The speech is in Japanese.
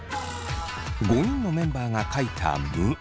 ５人のメンバーが書いた「む」。